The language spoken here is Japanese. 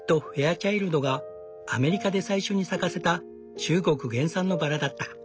チャイルドがアメリカで最初に咲かせた中国原産のバラだった。